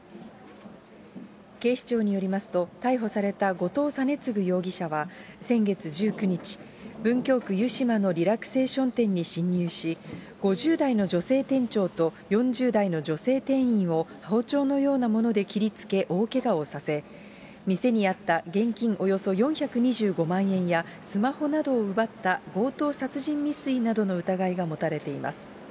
警視庁によりますと、逮捕された後藤仁乙容疑者は、先月１９日、文京区湯島のリラクゼーション店に侵入し、５０代の女性店長と、４０代の女性店員を包丁のようなもので切りつけ大けがをさせ、店にあった現金およそ４２５万円やスマホなどを奪った強盗殺人未遂などの疑いが持たれています。